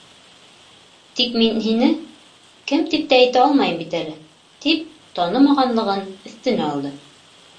Тик мин һине кем тип тә әйтә алмайым бит әле, — тип, танымағанлығын өҫтөнә алды.